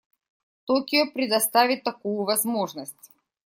Токио предоставит такую возможность.